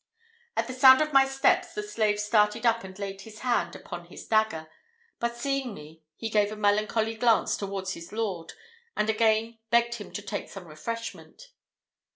At the sound of my steps the slave started up and laid his hand upon his dagger; but seeing me, he gave a melancholy glance towards his lord, and again begged him to take some refreshment.